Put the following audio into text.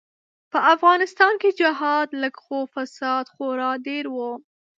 به افغانستان کی جهاد لږ خو فساد خورا ډیر وو.